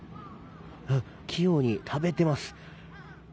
器用に食べてます。